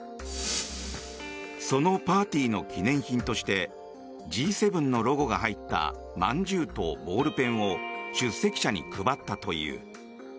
そのパーティーの記念品としてＧ７のロゴが入ったまんじゅうとボールペンを出席者に配ったという。